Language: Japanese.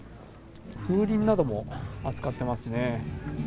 風鈴なども扱ってますね。